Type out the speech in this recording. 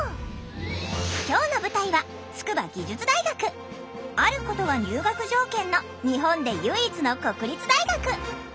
今日の舞台はあることが入学条件の日本で唯一の国立大学。